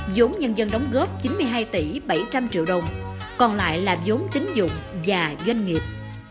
giống nhân dân đóng góp chín mươi hai tỷ bảy trăm linh triệu đồng còn lại là giống tính dụng và doanh nghiệp